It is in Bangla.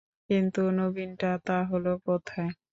কিন্তু নবীনটা তা হলে কোথায়?